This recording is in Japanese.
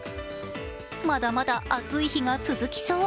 まだまだ暑い日が続きそう。